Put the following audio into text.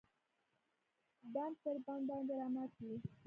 بند پر بند باندې راماتی